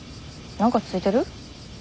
何かついてる？